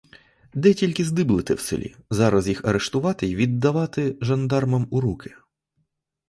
— Де тільки здиблете в селі, зараз їх арештувати й віддавати жандармам у руки.